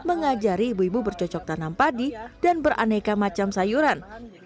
mengajari ibu ibu bercocok tanam padi dan beraneka macam sayuran